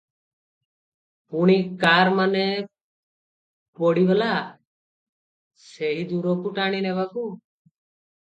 ପୁଣି କାର ମନେ ପଡ଼ିଗଲା- ସେହି ଦୂରକୁ ଟାଣି ନେବାକୁ?